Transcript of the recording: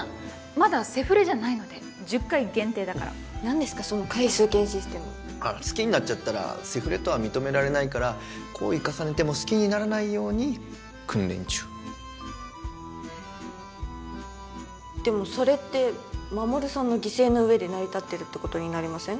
まだセフレじゃないので１０回限定だから何ですかその回数券システム好きになっちゃったらセフレとは認められないから行為重ねても好きにならないように訓練中でもそれって衛さんの犠牲の上で成り立ってるってことになりません？